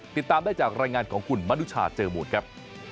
ติดตามได้จากรายงานของคุณมนุชาเจอมูลครับ